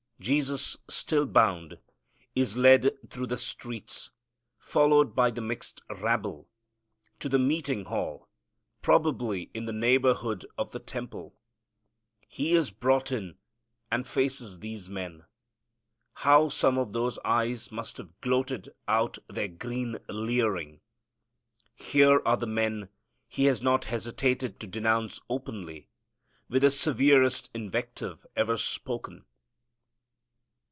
Jesus, still bound, is led through the streets; followed by the mixed rabble, to the meeting hall, probably in the neighborhood of the temple. He is brought in and faces these men. How some of those eyes must have gloated out their green leering! Here are the men He had not hesitated to denounce openly with the severest invective ever spoken.